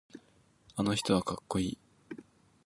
あの人はかっこいい。